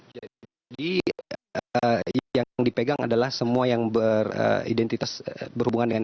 jadi yang dipegang adalah semua yang beridentitas berhubungan dengan